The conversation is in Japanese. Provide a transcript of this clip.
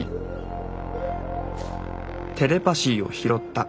テレパ椎を拾った。